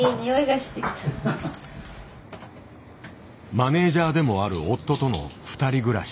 マネージャーでもある夫との２人暮らし。